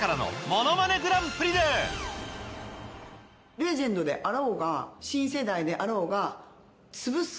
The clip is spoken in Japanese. レジェンドであろうが新世代であろうが。